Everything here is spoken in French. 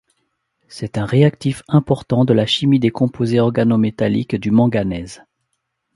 C'est un réactif important de la chimie des composés organométalliques du manganèse.